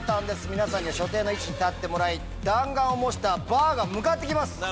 皆さん所定の位置に立ってもらい弾丸を模したバーが向かって来ます。